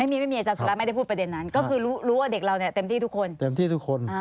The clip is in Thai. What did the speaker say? ไม่มีไม่มีจัดสาระไม่ได้พูดประเด็นนั้นก็คือรู้ว่าเด็กเราเนี่ยเต็มที่ทุกคน